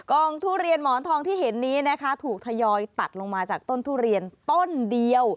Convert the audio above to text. ทุเรียนหมอนทองที่เห็นนี้นะคะถูกทยอยตัดลงมาจากต้นทุเรียนต้นเดียว